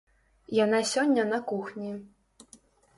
Яна сёння на кухні.